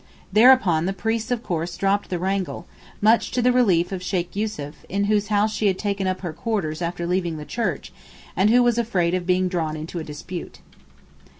Thereupon the priests of course dropped the wrangle, much to the relief of Sheykh Yussuf, in whose house she had taken up her quarters after leaving the church, and who was afraid of being drawn into a dispute.